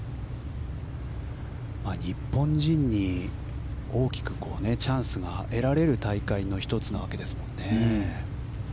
日本人に大きくチャンスが得られる大会の１つですもんね。